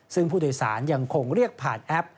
ซึ่งผู้โดยสารยังคงเรียกผ่านแอป